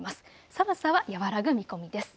寒さは和らぐ見込みです。